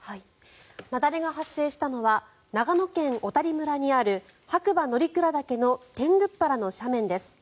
雪崩が発生したのは長野県小谷村にある白馬乗鞍岳の天狗原の斜面です。